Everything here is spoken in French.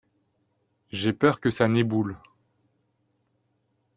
J’ai peur que ça n’éboule.